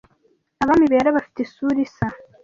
abami bera bafite isura isa